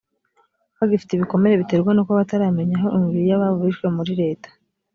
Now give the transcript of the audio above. bagifite ibikomere biterwa no kuba bataramenya aho imibiri y ababo bishwe muri leta